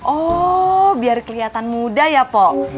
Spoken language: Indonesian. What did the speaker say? oh biar kelihatan muda ya po